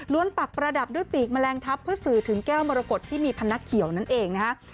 ปักประดับด้วยปีกแมลงทัพเพื่อสื่อถึงแก้วมรกฏที่มีพนักเขียวนั่นเองนะฮะ